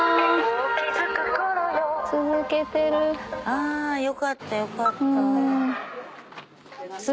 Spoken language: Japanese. ああよかったよかった。